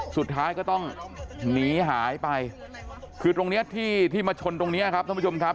สุดท้ายก็ต้องหนีหายไปคือตรงเนี้ยที่ที่มาชนตรงนี้ครับท่านผู้ชมครับ